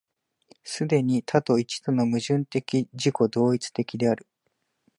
既に多と一との矛盾的自己同一的である。